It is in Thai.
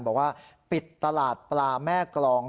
บอกว่าปิดตลาดปลาแม่กรอง